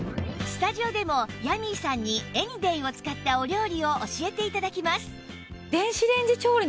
スタジオでもヤミーさんにエニデイを使ったお料理を教えて頂きます